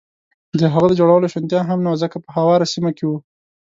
د هغه د جوړولو شونتیا هم نه وه، ځکه په هواره سیمه کې و.